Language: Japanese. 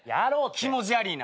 気持ち悪いな。